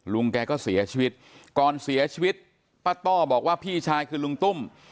ลุงแกก็เสียชีวิตก่อนเสียชีวิตป้าต้อบอกว่าพี่ชายคือลุงตุ้ม